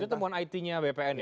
itu temuan itnya bpn ya